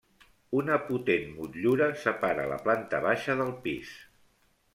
Una potent motllura separa la planta baixa del pis.